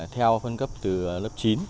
theo phân cấp từ lớp chín